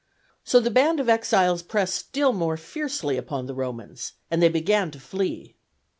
So the band of exiles pressed still more fiercely upon the Romans, and they began to flee.